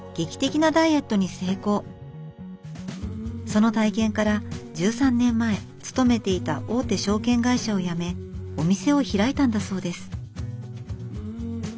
その体験から１３年前勤めていた大手証券会社を辞めお店を開いたんだそうです。